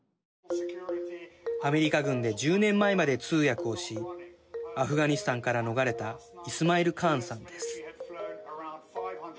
アメリカ軍で１０年前まで通訳をしアフガニスタンから逃れたイスマイル・カーンさんです。